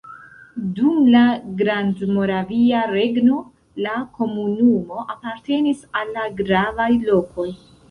Dum la Grandmoravia Regno la komunumo apartenis al la gravaj lokoj.